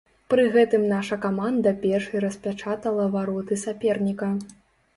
Пры гэтым наша каманда першай распячатала вароты саперніка.